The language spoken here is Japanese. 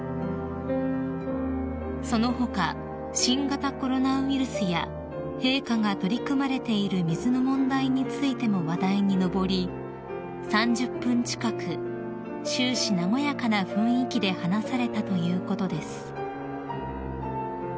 ［その他新型コロナウイルスや陛下が取り組まれている水の問題についても話題に上り３０分近く終始和やかな雰囲気で話されたということです］